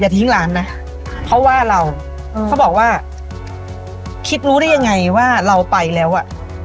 ทิ้งหลานนะเขาว่าเราอืมเขาบอกว่าคิดรู้ได้ยังไงว่าเราไปแล้วอ่ะ